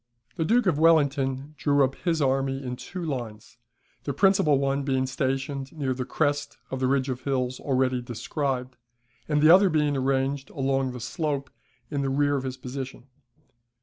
The Duke of Wellington drew up his army in two lines; the principal one being stationed near the crest of the ridge of hills already described, and the other being arranged along the slope in the rear of his position.